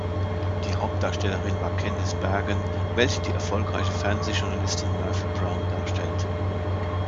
Die Hauptdarstellerin war Candice Bergen, welche die erfolgreiche Fernsehjournalistin "Murphy Brown" darstellt.